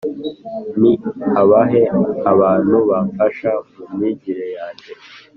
ni abahe bantu bamfasha mu myigire yange?